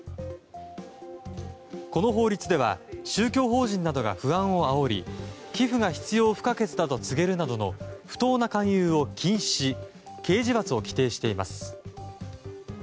この法律では宗教法人などが不安を煽り寄付が必要不可欠だと告げるなどの不当な勧誘を禁止し刑事罰を規定しています。